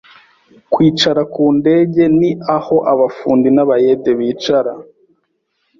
Kwicara ku ndege ni aho abafundi n’abayede bicara